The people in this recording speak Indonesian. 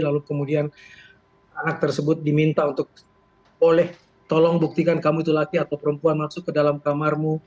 lalu kemudian anak tersebut diminta untuk boleh tolong buktikan kamu itu laki atau perempuan masuk ke dalam kamarmu